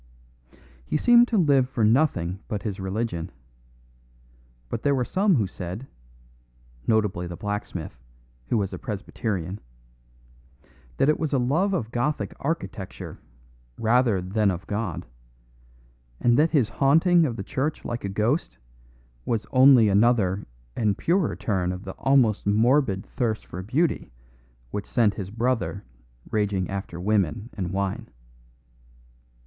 He seemed to live for nothing but his religion; but there were some who said (notably the blacksmith, who was a Presbyterian) that it was a love of Gothic architecture rather than of God, and that his haunting of the church like a ghost was only another and purer turn of the almost morbid thirst for beauty which sent his brother raging after women and wine.